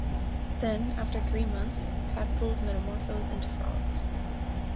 Then, after three months, tadpoles metamorphose into frogs.